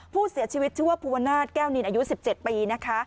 ผู้เสียชีวิตชื่อว่าภูวนาศแก้วนินอายุ๑๗ปีนะคะ